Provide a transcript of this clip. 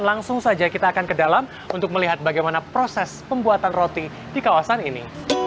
langsung saja kita akan ke dalam untuk melihat bagaimana proses pembuatan roti di kawasan ini